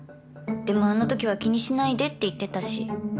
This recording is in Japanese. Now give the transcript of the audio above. でもあのときは気にしないでって言ってたし